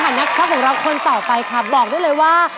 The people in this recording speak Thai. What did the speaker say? เพื่อนขี่ของเราคนต่อไปบอกได้เลยว่า